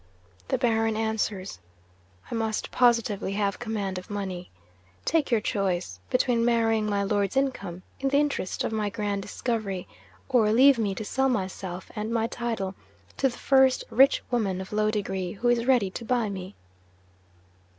The Baron answers, "I must positively have command of money. Take your choice, between marrying my Lord's income, in the interest of my grand discovery or leave me to sell myself and my title to the first rich woman of low degree who is ready to buy me."